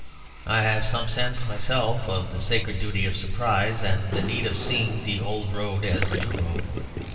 I have some sense myself of the sacred duty of surprise; and the need of seeing the old road as a new road.